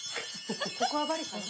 ここはバリかな？